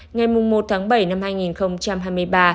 ngày một tháng bảy năm hai nghìn hai mươi ba